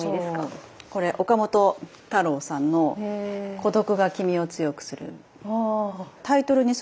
これ岡本太郎さんの「孤独がきみを強くする」。